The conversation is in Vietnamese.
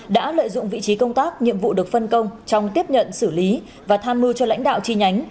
đã lợi dụng vị trí công tác nhiệm vụ được phân công trong tiếp nhận xử lý và tham mưu cho lãnh đạo chi nhánh